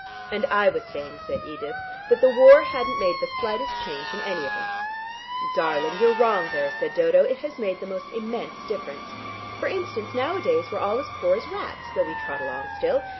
"And I was saying," said Edith, "that the war hadn't made the slightest change in any of us." "Darling, you're wrong there," said Dodo. "It has made the most immense difference. For instance nowadays we're all as poor as rats, though we trot along still.